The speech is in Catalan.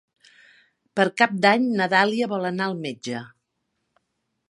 Per Cap d'Any na Dàlia vol anar al metge.